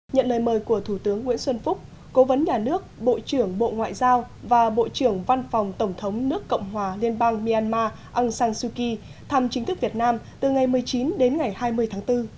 nhận lời mời của thủ tướng nguyễn xuân phúc cố vấn nhà nước bộ trưởng bộ ngoại giao và bộ trưởng văn phòng tổng thống nước cộng hòa liên bang myanmar aung san suu kyi thăm chính thức việt nam từ ngày một mươi chín đến ngày hai mươi tháng bốn